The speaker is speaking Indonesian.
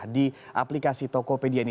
di aplikasi tokopedia ini